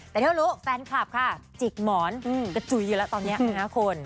แต่เท่ารู้แฟนคลับค่ะจิกหมอนกระจุยอยู่แล้วตอนนี้นะคะคุณ